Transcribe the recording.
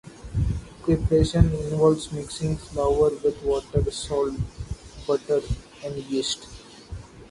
Preparation involves mixing flour with water, salt, butter and yeast.